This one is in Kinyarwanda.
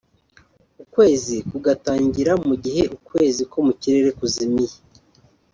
ukwezi kugatangira mu gihe ukwezi ko mu kirere kuzimiye